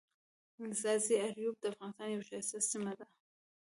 ځاځي اریوب دافغانستان یوه ښایسته سیمه ده.